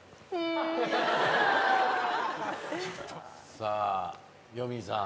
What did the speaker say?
さあよみぃさん。